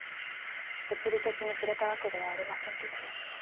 物理的に触れたわけではありませんけれど。